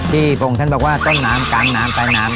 ที่โปรงท่านบอกว่าต้นน้ำกังน้ำตายน้ำ